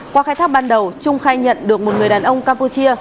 qua khai thác ban đầu trung khai nhận được một người đàn ông campuchia